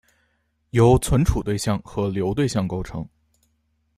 由存储对象和流对象构成。